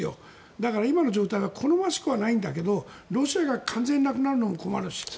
だから、今の状態は好ましくはないんだけどロシアが完全になくなるのも困るし。